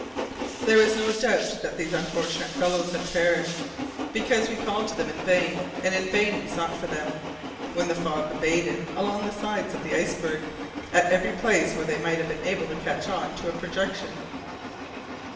There was no doubt that these unfortunate fellows had perished, because we called them in vain, and in vain we sought for them, when the fog abated, along the sides of the iceberg, at every place where they might have been able to catch on to a projection.